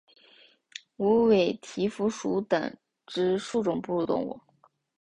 无尾蹄蝠属等之数种哺乳动物。